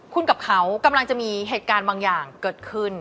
คุณกับเขากำลังจะมีเหตุการณ์บางอย่างเกิดขึ้น